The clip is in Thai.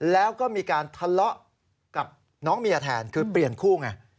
แล้วก็มีการทะเลาะกับน้องเมียแทนคือเปลี่ยนคู่ไง